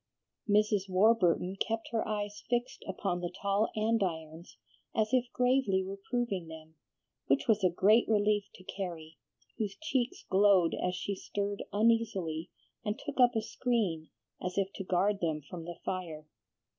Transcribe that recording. Mrs. Warburton kept her eyes fixed upon the tall andirons as if gravely reproving them, which was a great relief to Carrie, whose cheeks glowed as she stirred uneasily and took up a screen as if to guard them from the fire.